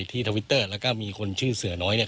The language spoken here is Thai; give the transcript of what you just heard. ทวิตเตอร์แล้วก็มีคนชื่อเสือน้อยเนี่ย